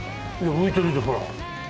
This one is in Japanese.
浮いてるぞほら。